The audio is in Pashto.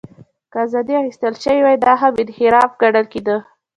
که ازادۍ اخیستل شوې وې، دا هم انحراف ګڼل کېده.